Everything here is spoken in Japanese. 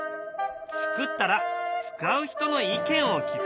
作ったら使う人の意見を聞く。